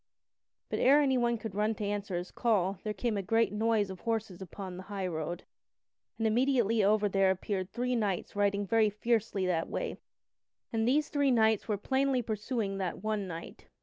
But ere anyone could run to answer his call there came a great noise of horses upon the highroad, and immediately after there appeared three knights riding very fiercely that way, and these three knights were plainly pursuing that one knight.